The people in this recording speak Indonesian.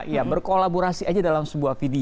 ya berkolaborasi aja dalam sebuah video